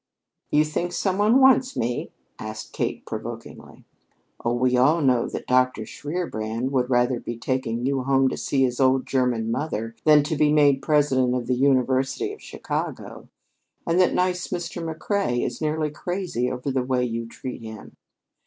"You think some one wants me?" asked Kate provokingly. "Oh, we all know that Dr. von Shierbrand would rather be taking you home to see his old German mother than to be made President of the University of Chicago; and that nice Mr. McCrea is nearly crazy over the way you treat him."